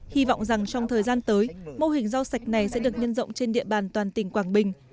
hy vọng rằng trong thời gian tới mô hình rau sạch này sẽ được nhân rộng trên địa bàn toàn tỉnh quảng bình